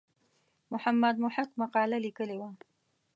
محمد محق مقاله لیکلې وه.